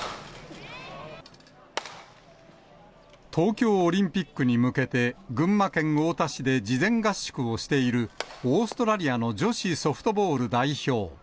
東京オリンピックに向けて、群馬県太田市で事前合宿をしている、オーストラリアの女子ソフトボール代表。